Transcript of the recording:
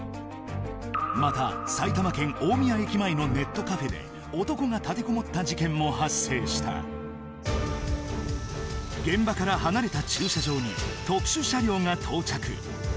また埼玉県大宮駅前のネットカフェで男が立てこもった事件も発生した現場から離れた駐車場に特殊車両が到着